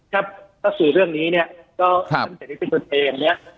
ครับถ้าสื่อเรื่องนี้เนี้ยก็ครับจนเองเนี้ย